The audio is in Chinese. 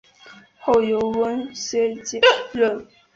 后由翁楷接任。